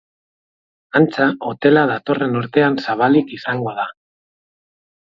Antza, hotela datorren urtean zabalik izango da.